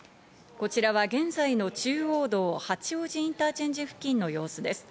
こちらは現在の中央道、八王子インターチェンジ付近の様子です。